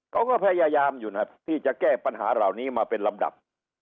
เขาก็พยายามอยู่นะครับที่จะแก้ปัญหาเหล่านี้มาเป็นลำดับ